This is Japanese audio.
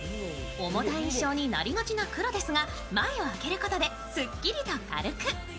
重たい印象になりがちな黒ですが前を開けることですっきりと軽く。